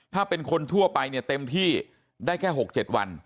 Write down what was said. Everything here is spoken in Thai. ถ้าเป็นคนทั่วไปเนี่ยเต็มที่ได้แค่๖๗วัน